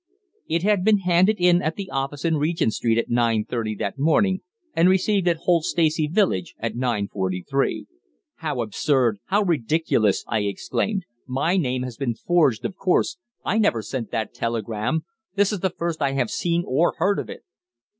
It had been handed in at the office in Regent Street at 9:30 that morning, and received at Holt Stacey village at 9:43. "How absurd! How ridiculous!" I exclaimed. "My name has been forged, of course. I never sent that telegram; this is the first I have seen or heard of it."